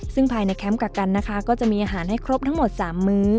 ซึ่งภายในแคมป์กักกันนะคะก็จะมีอาหารให้ครบทั้งหมด๓มื้อ